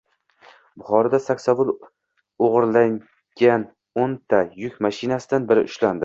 Buxoroda saksovul o‘g‘irlagano´nta yuk mashinasidan biri ushlandi